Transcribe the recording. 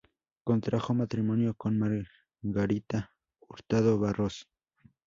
Contrajo matrimonio con Margarita Hurtado Barros.